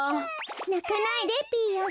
なかないでピーヨン。